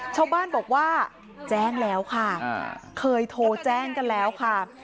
ชาวบ้านบอกว่าแจ้งแล้วค่ะเคยโทรแจ้งกันแล้วค่ะ